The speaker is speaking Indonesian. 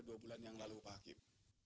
dua bulan yang lalu pak hakim